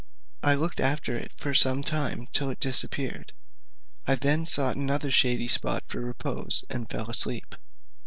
I looked after it for some time till it disappeared. I then sought another shady spot for repose, and fell asleep.